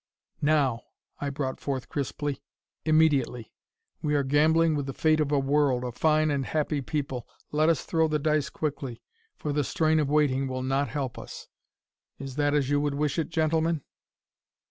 "Now," I brought forth crisply. "Immediately. We are gambling with the fate of a world, a fine and happy people. Let us throw the dice quickly, for the strain of waiting will not help us. Is that as you would wish it, gentlemen?"